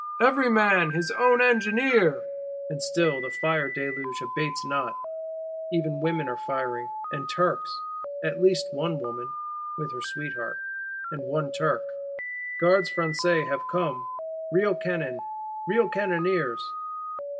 _ Every man his own engineer! And still the fire deluge abates not; even women are firing, and Turks; at least one woman (with her sweetheart), and one Turk. Gardes Françaises have come: real cannon, real cannoneers.